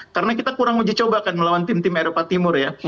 karena kita kurang mencobakan melawan tim tim eropa timur ya